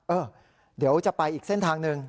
เออเดี๋ยวจะไปอีกเส้นทางหนึ่ง